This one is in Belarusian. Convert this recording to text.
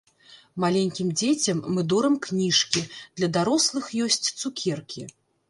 Маленькім дзецям мы дорым кніжкі, для дарослых ёсць цукеркі.